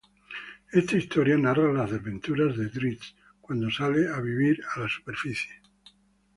Esta historia narra las desventuras de "Drizzt" cuando sale a vivir a la superficie.